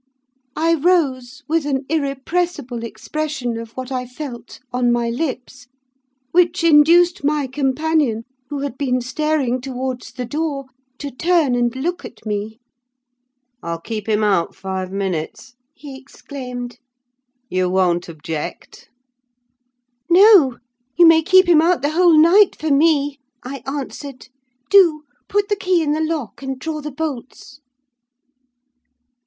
I rose with an irrepressible expression of what I felt on my lips, which induced my companion, who had been staring towards the door, to turn and look at me. "'I'll keep him out five minutes,' he exclaimed. 'You won't object?' "'No, you may keep him out the whole night for me,' I answered. 'Do! put the key in the lock, and draw the bolts.